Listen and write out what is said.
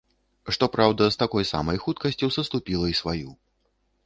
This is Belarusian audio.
Што праўда, з такой самай хуткасцю саступіла і сваю.